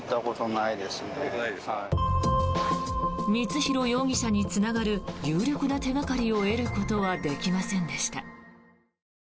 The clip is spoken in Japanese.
光弘容疑者につながる有力な手掛かりを得ることはできませんでした。